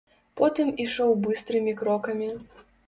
Потым ішоў быстрымі крокамі.